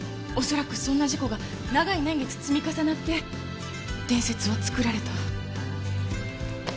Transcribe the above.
恐らくそんな事故が長い年月積み重なって伝説は作られた。